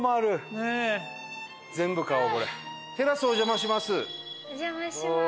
伊達：テラス、お邪魔します。